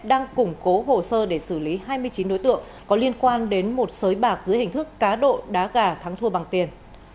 đang củng cố hồ sơ để xử lý hai mươi chín đối tượng có liên quan đến một sới bạc dưới hình thức cá độ đá gà thắng thua bằng tiền